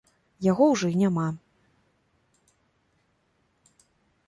Яго ўжо і няма!